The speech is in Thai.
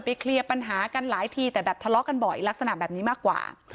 เคลียร์ปัญหากันหลายทีแต่แบบทะเลาะกันบ่อยลักษณะแบบนี้มากกว่า